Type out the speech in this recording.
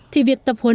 thì việc tập huấn